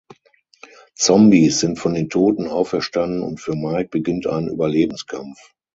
Zombies sind von den Toten auferstanden und für Mike beginnt ein Überlebenskampf.